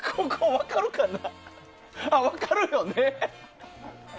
分かるよね。